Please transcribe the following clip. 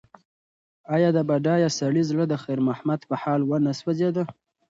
ایا د بډایه سړي زړه د خیر محمد په حال ونه سوځېد؟